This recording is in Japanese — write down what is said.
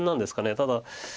ただ。